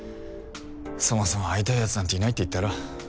そもそも会いたい奴なんていないって言ったろ。